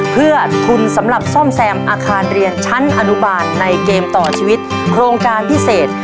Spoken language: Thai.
เพื่อทุนสำหรับซ่อมแซมอาคารเรียนชั้นอนุบาลในเกมต่อชีวิตโครงการพิเศษ